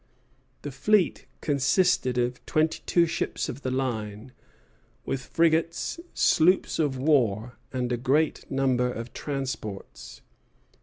The fleet consisted of twenty two ships of the line, with frigates, sloops of war, and a great number of transports.